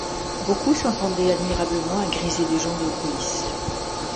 Beaucoup s’entendaient admirablement à griser les gens de police.